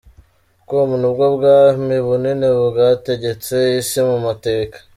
com, ni bwo bwami bunini bwategetse isi mu mateka .